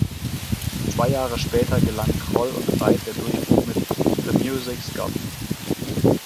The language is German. Zwei Jahre später gelang Kroll und Reith der Durchbruch mit "The Music’s Got Me".